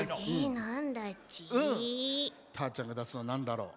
たーちゃんがだすのなんだろう。